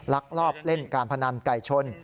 ลักลอบเล่นการพนันไก่ชน